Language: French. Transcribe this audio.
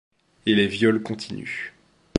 Et les viols continuent.